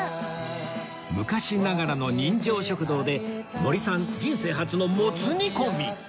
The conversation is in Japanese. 昔ながらの人情食堂で森さん人生初のもつ煮込み